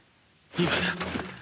今だ。